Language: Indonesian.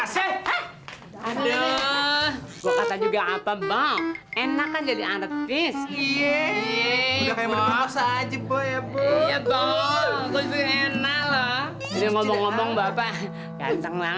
sampai jumpa di video selanjutnya